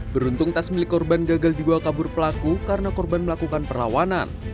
beruntung tas milik korban gagal dibawa kabur pelaku karena korban melakukan perlawanan